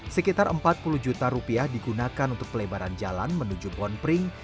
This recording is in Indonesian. sekitar empat puluh juta rupiah digunakan untuk pelebaran jalan menuju bon pring